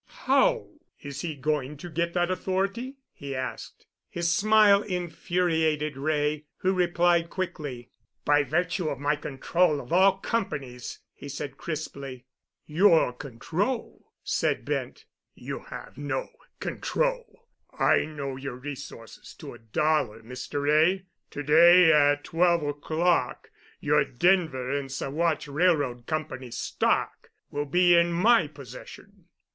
"How is he going to get that authority?" he asked. His smile infuriated Wray, who replied quickly. "By virtue of my control of all companies," he said crisply. "Your control?" said Bent; "you have no control. I know your resources to a dollar, Mr. Wray. To day at twelve o'clock your Denver and Saguache Railroad Company stock will be in my possession."